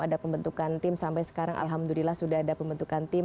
ada pembentukan tim sampai sekarang alhamdulillah sudah ada pembentukan tim